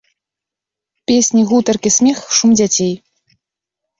Песні, гутаркі, смех, шум дзяцей.